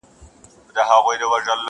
د هغو لپاره یو دي څه دننه څه د باندي،